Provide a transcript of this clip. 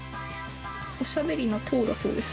「おしゃべりな糖」だそうです。